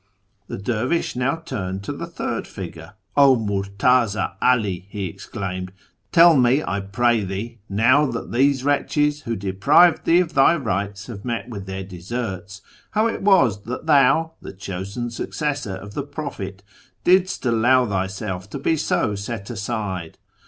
" The dervish now turned to the third figure :' 0 Murtaza 'All,' he exclaimed, ' tell me, I pray thee, now that these wretches who deprived thee of thy rights have met with their deserts, how it was that thou, the chosen successor of the Prophet, didst allow thyself to be so set aside.